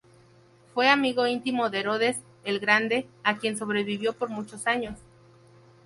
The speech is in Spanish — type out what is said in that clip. Fue amigo íntimo de Herodes el Grande, a quien sobrevivió por muchos años.